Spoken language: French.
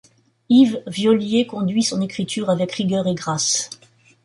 Yves Viollier conduit son écriture avec rigueur et grâce.